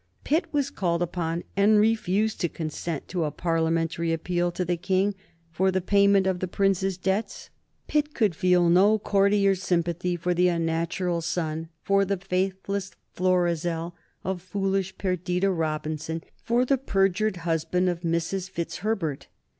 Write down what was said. Pitt was called upon and refused to consent to a Parliamentary appeal to the King for the payment of the Prince's debts. Pitt could feel no courtier's sympathy for the unnatural son, for the faithless Florizel of foolish Perdita Robinson, for the perjured husband of Mrs. Fitzherbert.